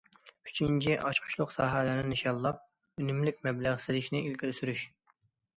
ئۈچىنچى، ئاچقۇچلۇق ساھەلەرنى نىشانلاپ، ئۈنۈملۈك مەبلەغ سېلىشنى ئىلگىرى سۈرۈش.